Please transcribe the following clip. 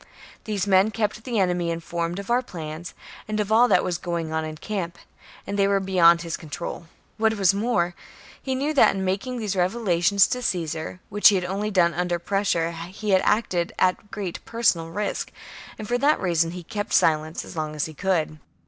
These men kept the enemy informed of our plans, and of all that was going on in camp, and they were beyond his control. What was more, he knew that, in making these revelations to Caesar, which he had only done under pres sure, he had acted at great personal risk, and for that reason he had kept silence as long as he could.